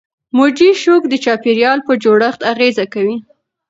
موجي شوک د چاپیریال په جوړښت اغېزه کوي.